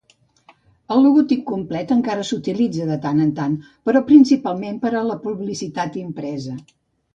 El logotip complet encara s'utilitza de tant en tant, però principalment per a la publicitat impresa.